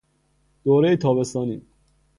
دورهی تابستانی